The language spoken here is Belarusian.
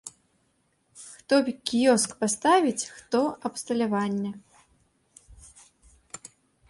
Хто кіёск паставіць, хто абсталяванне.